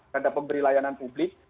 terhadap pemberi layanan publik